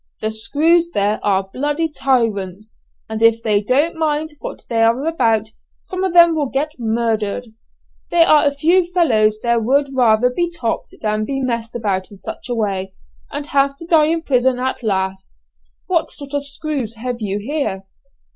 The 'screws' there are tyrants, and if they don't mind what they are about some of them will get murdered. There are a few fellows there would rather be 'topt' than be messed about in such a way, and have to die in prison at last. What sort of 'screws' have you here?"